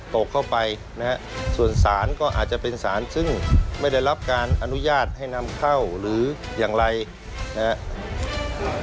ตกเข้าไปนะฮะส่วนสารก็อาจจะเป็นสารซึ่งไม่ได้รับการอนุญาตให้นำเข้าหรืออย่างไรนะครับ